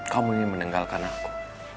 kamu ingin meninggalkan aku